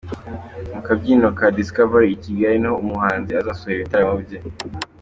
Mu kabyiniro ka Discovery i Kigali niho uyu muhanzi azasoreza ibitaramo bye .